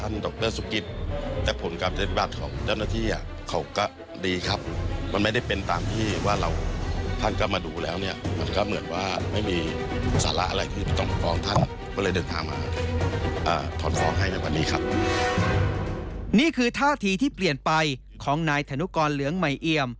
นี่คือท่าทีที่เปลี่ยนไปของนายธนุกรเหลืองใหม่เอียม